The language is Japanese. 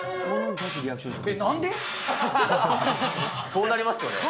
そうなりますよね。